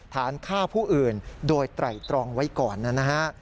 ฐานฆ่าผู้อื่นโดยไตรตรองไว้ก่อนนะฮะ